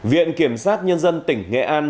viện kiểm sát nhân dân tỉnh nghệ an